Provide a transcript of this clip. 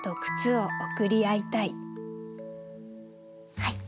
はい。